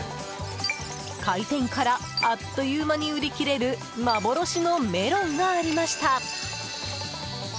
開店からあっという間に売り切れる幻のメロンがありました。